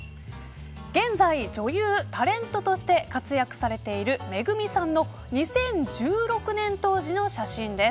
現在、女優、タレントとして活躍されているＭＥＧＵＭＩさんの２０１６年当時の写真です。